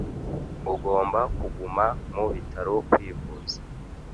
Ugomba kuguma mu bitaro kwivuza.